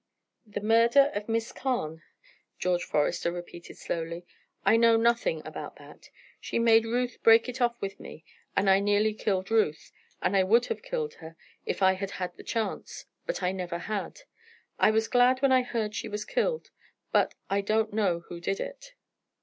"The murder of Miss Carne," George Forester repeated, slowly. "I know nothing about that. She made Ruth break it off with me, and I nearly killed Ruth, and would have killed her if I had had the chance, but I never had. I was glad when I heard she was killed, but I don't know who did it."